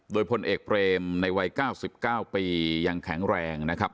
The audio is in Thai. โดยพลเอกเบรมในวัย๙๙ปียังแข็งแรงนะครับ